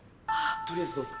とりあえずどうぞ。